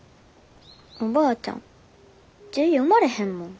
おばあちゃん字ぃ読まれへんもん。